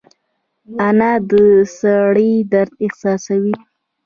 انا د سړي درد احساسوي